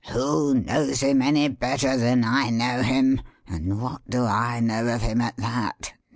Who knows him any better than I know him and what do I know of him, at that?